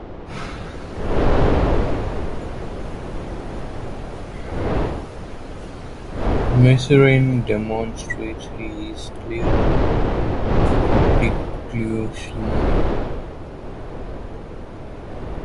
Myerson demonstrates he is clearly delusional.